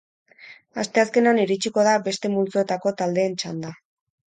Asteazkenean iritsiko da beste multzoetako taldeen txanda.